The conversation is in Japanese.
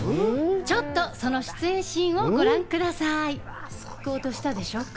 ちょっと、その出演シーンをご覧ください。